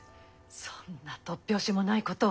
そんな突拍子もないことを。